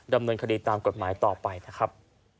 ในสถานการณ์ใหม่ต่อไปนะครับ